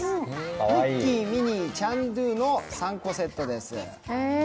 ミッキー、ミニー、チャンドゥの３個セットです。